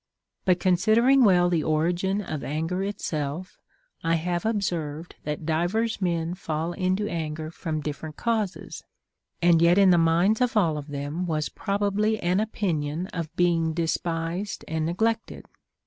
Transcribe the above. But, considering well the origin of anger itself, I have observed that divers men fall into anger for different causes ; and yet in the minds of all of them was probably an opinion of being despised and neglected.